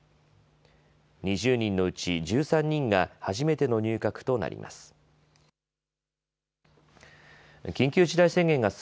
２０人のうち１３人が初めての入閣となります。